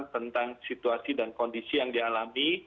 tentang situasi dan kondisi yang dialami